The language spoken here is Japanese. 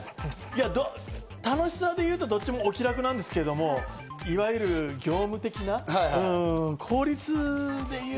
楽しさで言うと、どっちもお気楽なんですけど、いわゆる業務的な、効率でいうと。